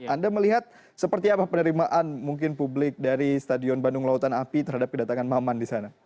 anda melihat seperti apa penerimaan mungkin publik dari stadion bandung lautan api terhadap kedatangan maman di sana